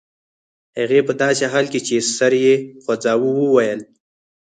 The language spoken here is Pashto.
هغې په داسې حال کې چې سر یې خوځاوه وویل